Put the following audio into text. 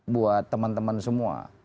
buat teman teman semua